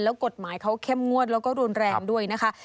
แล้วกฎหมายเขาเข้มงวดแล้วก็รุนแรงด้วยนะคะ